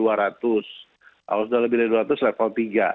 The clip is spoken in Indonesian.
kalau sudah lebih dari dua ratus level tiga